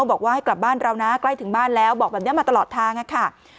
บอกว่าให้กลับบ้านเรานะใกล้ถึงบ้านแล้วบอกแบบนี้มาตลอดทางค่ะ